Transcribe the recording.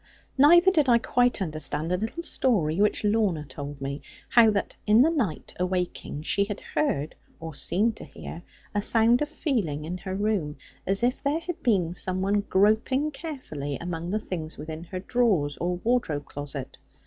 Neither did I quite understand a little story which Lorna told me, how that in the night awaking, she had heard, or seemed to hear, a sound of feeling in her room; as if there had been some one groping carefully among the things within her drawers or wardrobe closet.